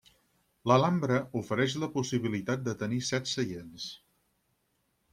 L'Alhambra ofereix la possibilitat de tenir set seients.